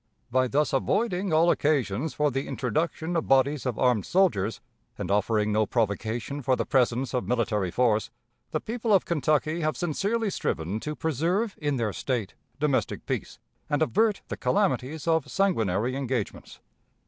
By thus avoiding all occasions for the introduction of bodies of armed soldiers, and offering no provocation for the presence of military force, the people of Kentucky have sincerely striven to preserve in their State domestic peace and avert the calamities of sanguinary engagements.